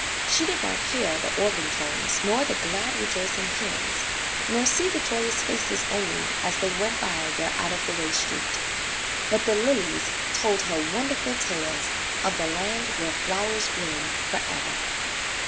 She did not hear the organ tones nor the glad rejoicing hymns, nor see the joyous faces only as they went by their out of the way street. But the lilies told her wonderful tales of the land where flowers bloom forever.